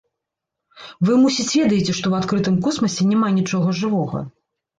Вы, мусіць, ведаеце, што ў адкрытым космасе няма нічога жывога.